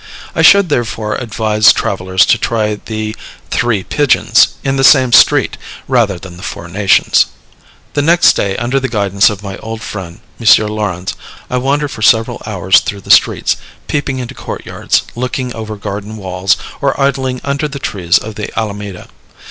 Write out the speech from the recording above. I should therefore advise travellers to try the "Three Pigeons," in the same street, rather than the Four Nations. The next day, under the guidance of my old friend, M. Laurens, I wandered for several hours through the streets, peeping into court yards, looking over garden walls, or idling under the trees of the Alameda.